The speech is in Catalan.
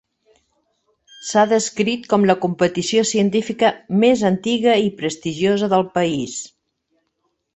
S'ha descrit com la competició científica "més antiga i prestigiosa del país".